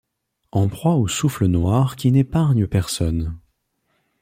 En proie aux souffles noirs qui n'épargnent personne